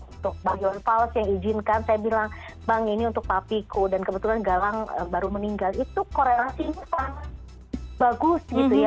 untuk bagian fals yang izinkan saya bilang bang ini untuk papiko dan kebetulan galang baru meninggal itu korelasinya sangat bagus gitu ya